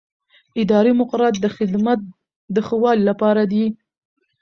اداري مقررات د خدمت د ښه والي لپاره دي.